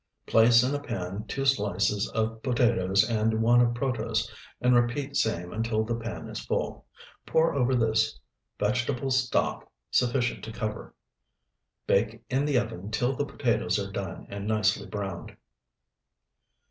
Place in a pan two slices of potatoes and one of protose, and repeat same until the pan is full. Pour over this vegetable stock sufficient to cover. Bake in the oven till the potatoes are done and nicely browned.